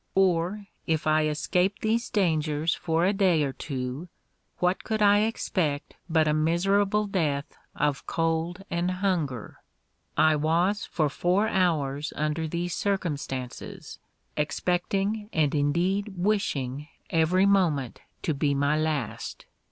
Or if I escaped these dangers for a day or two, what could I expect but a miserable death of cold and hunger? I was for four hours under these circumstances, expecting, and indeed wishing, every moment to be my last.